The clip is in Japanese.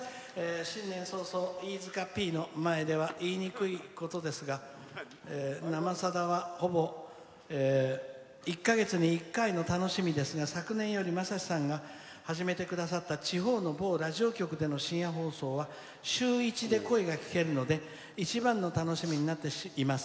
新年早々飯塚Ｐの前では言いにくいことですが「生さだ」は、ほぼ１か月に１回の楽しみですが昨年よりまさしさんが始めてくださった地方の某ラジオ局での深夜放送は週１で声が聴けるので一番の楽しみになっています。